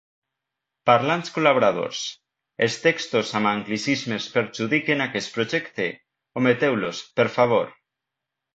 Parlants col·laboradors: els textos amb anglicismes perjudiquen aquest projecte; ometeu-los, per favor.